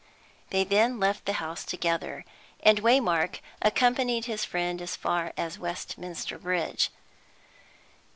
They then left the house together, and Waymark accompanied his friend as far as Westminster Bridge.